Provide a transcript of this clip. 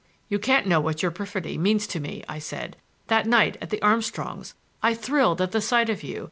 "You can't know what your perfidy means to me," I said. "That night, at the Armstrongs', I thrilled at the sight of you.